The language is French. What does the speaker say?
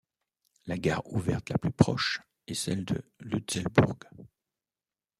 La gare ouverte la plus proche est celle de Lutzelbourg.